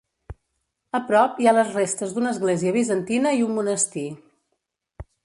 A prop hi ha les restes d'una església bizantina i un monestir.